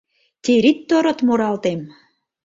«Тирит-торот муралтем